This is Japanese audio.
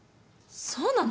そうなの！？